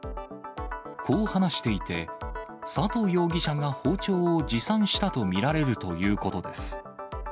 こう話していて、佐藤容疑者が包丁を持参したと見られるということです。